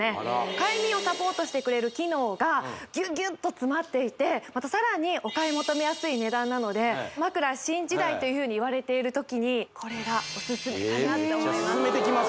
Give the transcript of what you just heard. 快眠をサポートしてくれる機能がギュッギュッと詰まっていてまたさらにお買い求めやすい値段なので枕新時代というふうにいわれている時にこれがオススメかなと思います